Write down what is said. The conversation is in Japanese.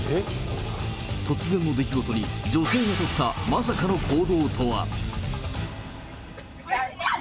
突然の出来事に、女性の取ったまさかの行動とは。